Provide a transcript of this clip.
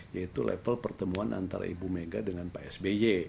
yaitu level pertemuan antara ibu mega dengan pak sby